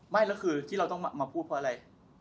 ไม่แล้วคือที่เราต้องมาพูดเพราะอะไร